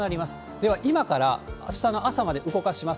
では、今からあしたの朝まで動かします。